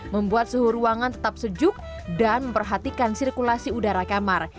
membuat suhu ruangan tetap sejuk dan memperhatikan sirkulasi udara kamar